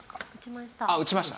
打ちました。